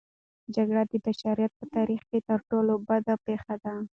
جګړه د بشریت په تاریخ کې تر ټولو بده پېښه ده.